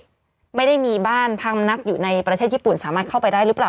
สำหรับคนที่ไม่ได้มีบ้านพรรณนักอยู่ในประเทศญี่ปุ่นสามารถเข้าไปได้หรือเปล่า